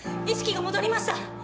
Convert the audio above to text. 意識が戻りました！